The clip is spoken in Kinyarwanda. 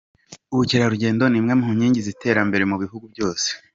Ubukerarugendo ni imwe mu nkingi z'iterambere mu bihugu byose.